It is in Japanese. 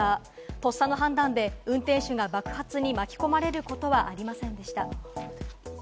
とっさの判断で運転手が爆発に巻き込まれることはありませんでした。